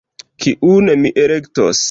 Kiun mi elektos.